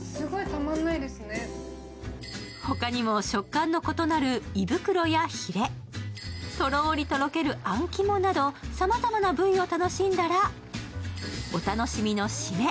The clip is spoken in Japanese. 他にも食感の異なる胃袋やひれ、とろりとろけるあん肝などさまざまな部位を楽しんだらお楽しみの締め。